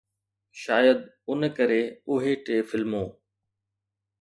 شايد ان ڪري اهي ٽي فلمون